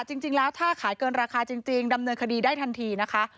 จริงแล้วถ้าขายเกินราคาจริงดำเนินคดีได้ทันทีนะคะ